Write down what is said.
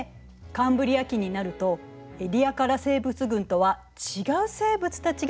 カンブリア紀になるとエディアカラ生物群とは違う生物たちが現れたの。